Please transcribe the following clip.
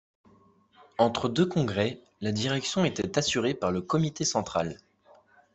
Entre deux congrès, la direction était assurée par le Comité central.